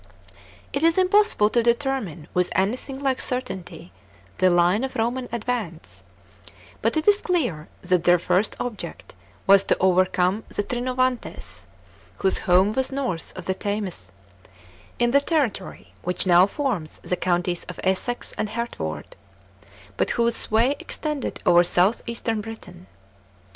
It is impossible to determine with anything like certainty the line of Roman advance, but it is clear that their first object was to overcome the Trinovantes, whose home was north of the Thamesis (Thames), in the territory which now forms the counties of Essex and Hertford, but whose sway extended over south eastern Britain.